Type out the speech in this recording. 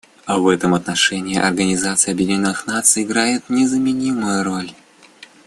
В этом отношении Организация Объединенных Наций играет незаменимую роль.